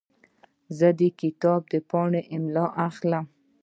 زه د کتاب پاڼې املا اخلم.